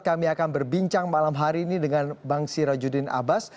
kami akan berbincang malam hari ini dengan bang sirajudin abbas